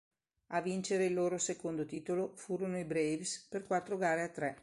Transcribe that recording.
A vincere il loro secondo titolo furono i Braves per quattro gare a tre.